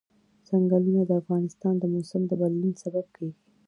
ځنګلونه د افغانستان د موسم د بدلون سبب کېږي.